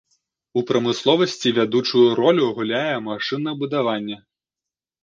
У прамысловасці вядучую ролю гуляе машынабудаванне.